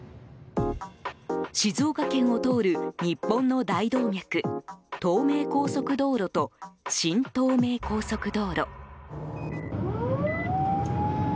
静岡県を通る日本の大動脈東名高速道路と新東名高速道路。